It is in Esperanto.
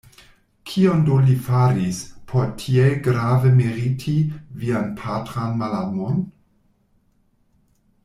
Kion do li faris, por tiel grave meriti vian patran malamon?